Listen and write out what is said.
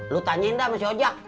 lo tanyain dah sama si ojek